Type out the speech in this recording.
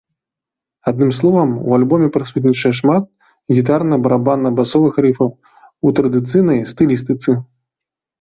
Адным словам, у альбоме прысутнічае шмат гітарна-барабанна-басовых рыфаў у традыцыйнай стылістыцы.